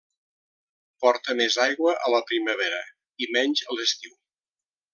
Porta més aigua a la primavera i menys a l'estiu.